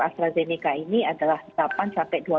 astrazeneca ini adalah delapan sampai